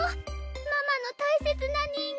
ママの大切な人形・・